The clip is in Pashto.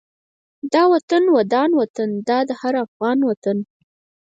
دا وطن ودان وطن دا د هر افغان وطن